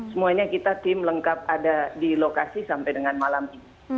semuanya kita tim lengkap ada di lokasi sampai dengan malam ini